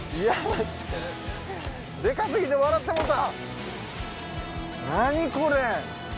でかすぎて笑ってもうた！